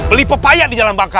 beli pepaya di jalan bangka